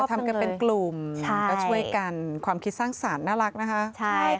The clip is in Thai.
ทำกันเป็นกลุ่มก็ช่วยกันความคิดสร้างสรรค์น่ารักนะคะ